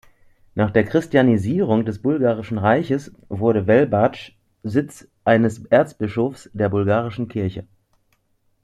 Nach der Christianisierung des Bulgarischen Reiches wurde Welbaschd Sitz eines Erzbischofs der bulgarischen Kirche.